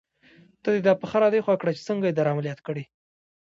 ته دې دا پښه را دې خوا کړه چې څنګه دې در عملیات کړې.